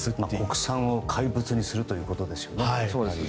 国産を怪物にするということですね。